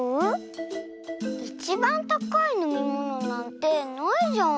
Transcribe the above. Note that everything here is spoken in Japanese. いちばんたかいのみものなんてないじゃん。